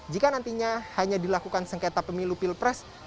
jika nantinya hanya dilakukan sengketa pemilu pilpres